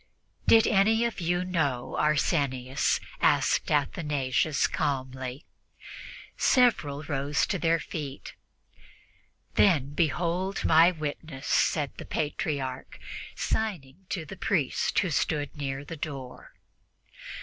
"Did any of you know Arsenius?" asked Athanasius calmly. Several rose to their feet. "Then, behold my witness," said the Patriarch, signing to a priest who stood near the door.